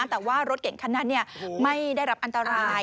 แต่ว่ารถเก่งคันนั้นไม่ได้รับอันตราย